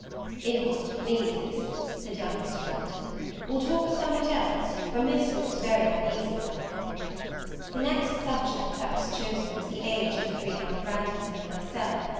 "If aunt pleases," said young Mr. Branghton, "we'll talk o' somewhat else, for Miss looks very uneasy like." The next subject that was chosen was the age of the three young Branghtons and myself.